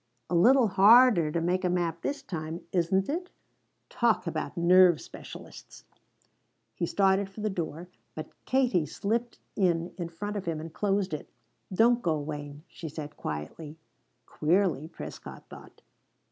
"A little harder to make a map this time, isn't it? Talk about nerve specialists !" He started for the door, but Katie slipped in in front of him, and closed it. "Don't go, Wayne," she said quietly; queerly, Prescott thought.